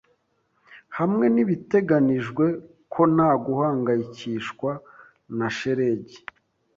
Hamwe nibiteganijwe ko nta guhangayikishwa na shelegi